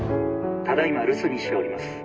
ただ今留守にしております。